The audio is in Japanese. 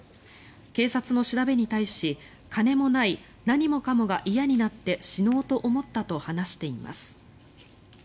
警察の調べに対し、金もない何もかもが嫌になって死のうと思ったと話しています。